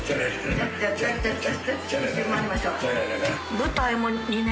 ・舞台も２年半。